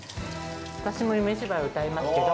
私も「夢芝居」を歌いますけど。